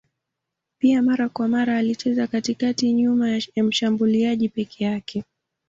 Pia mara kwa mara alicheza katikati nyuma ya mshambuliaji peke yake.